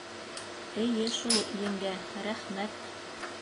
— Эйе шул, еңгә, рәхмәт.